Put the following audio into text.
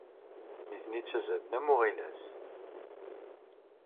Nitni ttazzalen am uɣilas.